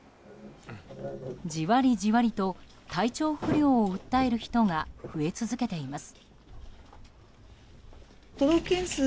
じわりじわりと体調不良を訴える人が増え続けています。